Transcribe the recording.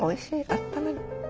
あったまる。